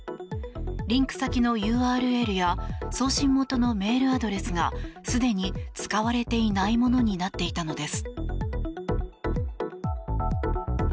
リンク先のＵＲＬや送信元のメールアドレスがすでに使われていないものになっていたのです。